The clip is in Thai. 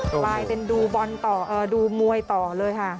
ไปเป็นดูมวยต่อเลยค่ะ